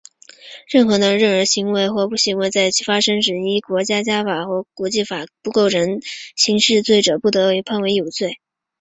任何人的任何行为或不行为,在其发生时依国家法或国际法均不构成刑事罪者,不得被判为犯有刑事罪。